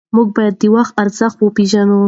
موږ باید د وخت ارزښت وپېژنو.